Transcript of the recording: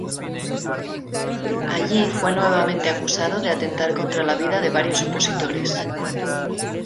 Allí fue nuevamente acusado de atentar contra la vida de varios opositores.